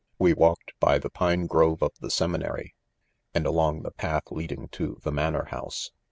We walked by the pine grove of the seminary, and along the path leading to the " manor house."